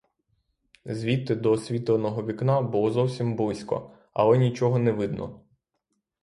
Звідти до освітленого вікна було зовсім близько, але нічого не видно.